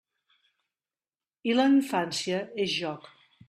I la infància és joc.